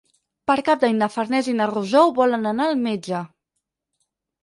Per Cap d'Any na Farners i na Rosó volen anar al metge.